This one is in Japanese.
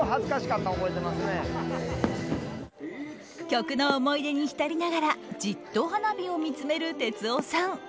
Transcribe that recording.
曲の思い出に浸りながらじっと花火を見つめる哲夫さん。